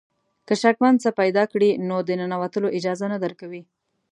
که شکمن څه پیدا کړي نو د ننوتلو اجازه نه درکوي.